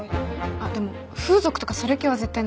あっでも風俗とかそれ系は絶対なし。